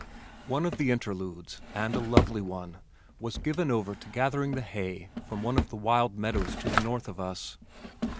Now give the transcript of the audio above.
One of the interludes, and a lovely one, was given over to gathering the hay from one of the wild meadows to the north of us.